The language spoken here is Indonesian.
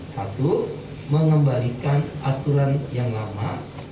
satu mengembalikan aturan yang lama